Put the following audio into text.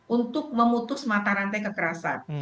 untuk memutus mata rantai kekerasan